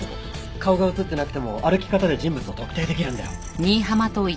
顔が映ってなくても歩き方で人物を特定できるんだよ。